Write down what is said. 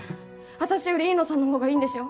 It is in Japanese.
私より飯野さんの方がいいんでしょ？